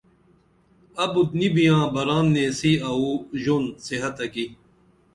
ابُت نی بیاں بران نیسی اوو ژون صحتہ کی